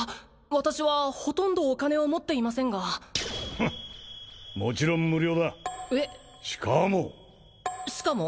私はほとんどお金を持っていませんがフッもちろん無料だえっしかもしかも？